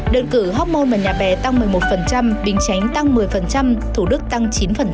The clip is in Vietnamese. đợt cử hoc mon và nhà bè tăng một mươi một bình chánh tăng một mươi thủ đức tăng chín